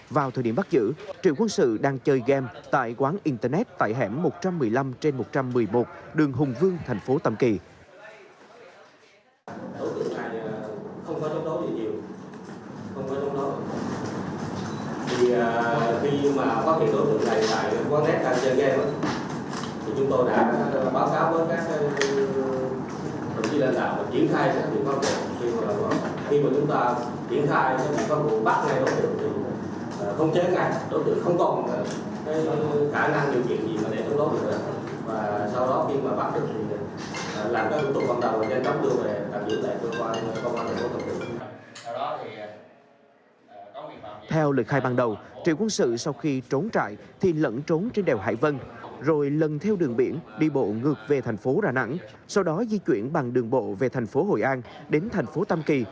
vào thời điểm bắt giữ triệu quân sự đang chơi game tại quán internet tại hẻm một trăm một mươi năm trên một trăm một mươi một đường hùng vương thành phố tâm kỳ